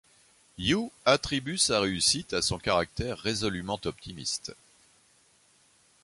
Yu attribue sa réussite à son caractère résolument optimiste.